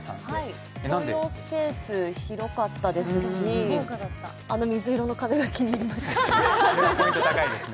共用スペースが広かったですし、あの水色の壁が気に入りました。